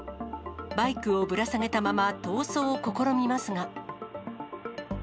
バイクをぶら下げたまま逃走を試みますが。